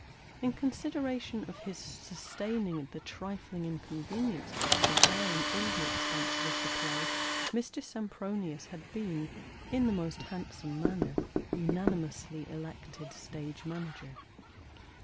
In consideration of his sustain ing the trifling inconvenience of bearing all the expenses of the play, Mr. Sempronius had been, in the most handsome manner, unanimously elected stage manager.